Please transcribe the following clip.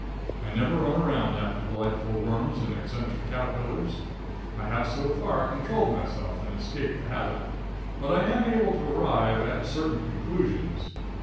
I never run around after delightful worms and eccentric caterpillers. I have so far controlled myself and escaped the habit, but I am able to arrive at certain conclusions.